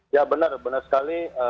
ya benar benar sekali